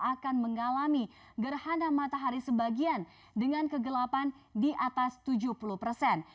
akan mengalami gerhana matahari sebagian dengan kegelapan di atas tujuh puluh persen